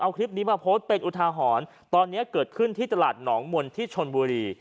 เอาคลิปนี้มาโพสต์เป็นอุทาหรณ์ตอนนี้เกิดขึ้นที่ตลาดหนองมนที่ชนบุรี